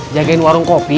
jagain warung kopi